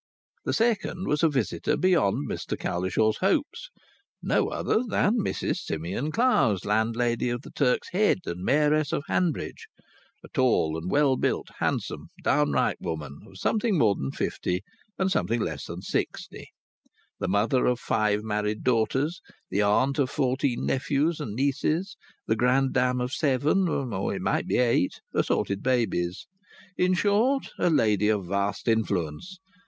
The second was a visitor beyond Mr Cowlishaw's hopes, no other than Mrs Simeon Clowes, landlady of the Turk's Head and Mayoress of Hanbridge; a tall and well built, handsome, downright woman, of something more than fifty and something less than sixty; the mother of five married daughters, the aunt of fourteen nephews and nieces, the grandam of seven, or it might be eight, assorted babies; in short, a lady of vast influence.